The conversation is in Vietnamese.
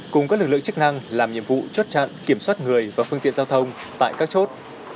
cùng các lực lượng chức năng làm nhiệm vụ chốt chặn kiểm soát người và phương tiện giao thông tại các chốt